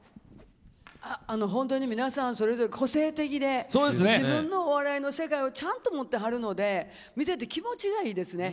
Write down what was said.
本当に皆さん、それぞれ個性的で、自分のお笑いの世界をちゃんと持ってはるので見てて気持ちがいいですね。